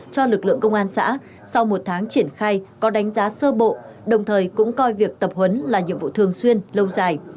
cho lực lượng công an xã sau một tháng triển khai có đánh giá sơ bộ đồng thời cũng coi việc tập huấn là nhiệm vụ thường xuyên lâu dài